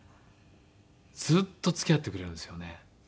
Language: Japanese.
ずっと付き合ってくれるんですよね。